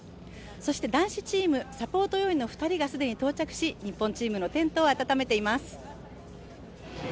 そして男子チーム、サポート要員の二人が既に到着し、日本チームのテントを温めています。